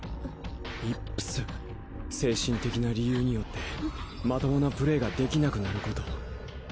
イップス精神的な理由によってまともなプレーができなくなること。